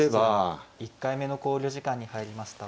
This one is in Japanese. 近藤七段１回目の考慮時間に入りました。